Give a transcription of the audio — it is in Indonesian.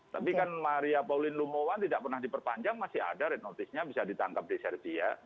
tapi kan maria pauline lumowan tidak pernah diperpanjang masih ada red notice nya bisa ditangkap di serbia